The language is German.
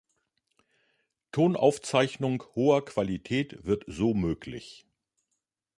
Tonaufzeichnung hoher Qualität wird so möglich.